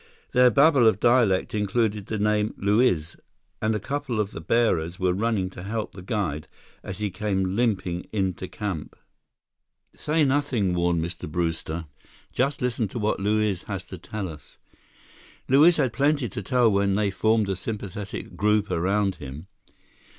Their babble of dialect included the name "Luiz," and a couple of the bearers were running to help the guide as he came limping into camp. "Say nothing," warned Mr. Brewster. "Just listen to what Luiz has to tell us." Luiz had plenty to tell when they formed a sympathetic group around him.